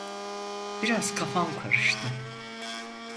Biraz kafam karıştı.